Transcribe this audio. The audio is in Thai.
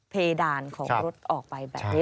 เพดานของรถออกไปแบบนี้